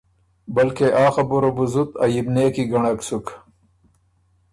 بلکه آ خبُره بُو زُت عئب نېکی ګنړک سُک۔